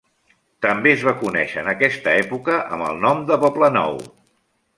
També es va conèixer en aquesta època amb el nom de Poble Nou.